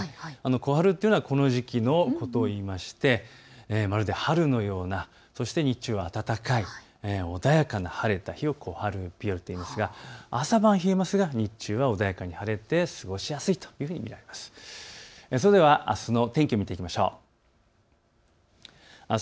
小春というのはこの時期のことを言いまして、まるで春のようなそして日中は暖かい穏やかな晴れた日を小春日和といいますが朝晩冷えますが日中は穏やかに晴れて過ごしやすいというふうにいえます。